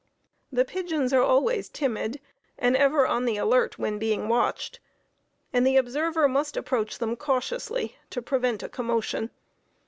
The pigeons are always timid, and ever on the alert when being watched, and the observer must approach them cautiously to prevent a commotion.